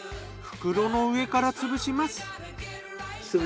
袋の上から潰します。